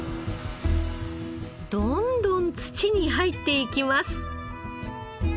どんどん土に入っていきます。